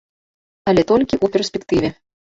Але толькі ў перспектыве.